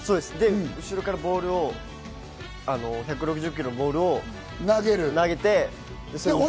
後ろからボールを１６０キロのボールを投げて。